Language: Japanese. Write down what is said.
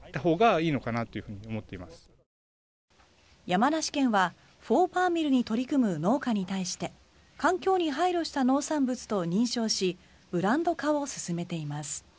山梨県は４パーミルに取り組む農家に対して環境に配慮した農産物と認証しブランド化を進めています。